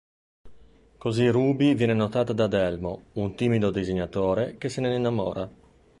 Così Ruby viene notata da Adelmo, un timido disegnatore, che se ne innamora.